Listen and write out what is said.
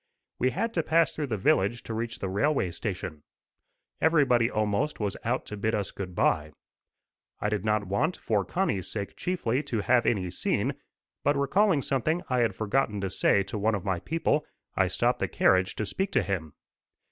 We had to pass through the village to reach the railway station. Everybody almost was out to bid us good bye. I did not want, for Connie's sake chiefly, to have any scene, but recalling something I had forgotten to say to one of my people, I stopped the carriage to speak to him.